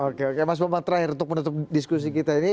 oke oke mas bambang terakhir untuk menutup diskusi kita ini